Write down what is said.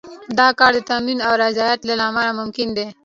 دا کار د تمرین او ریاضت له لارې ممکن دی